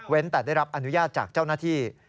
แต่ได้รับอนุญาตจากเจ้าหน้าที่